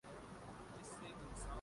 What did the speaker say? ایک تو ان کی زبان ہی ایسی لگتی ہے۔